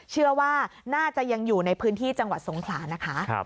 เชื่อว่าน่าจะยังอยู่ในพื้นที่จังหวัดสงขลานะคะ